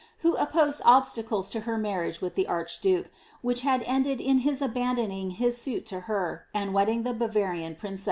who opposed obstacles to her marriage with the archduke, which had ended in his abandoning his suit to her, and wedding tlie Bavarian princc>